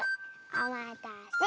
おまたせ。